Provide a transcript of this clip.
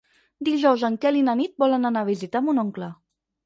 Dijous en Quel i na Nit volen anar a visitar mon oncle.